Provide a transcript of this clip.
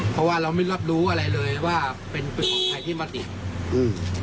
เพราะว่าเราไม่รับรู้อะไรเลยว่าเป็นเป็นของใครที่มาติดอืม